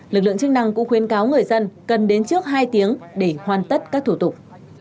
lực lượng chức năng cũng khuyến cáo người dân cần đến trước hai tiếng để hoàn tất các thủ tục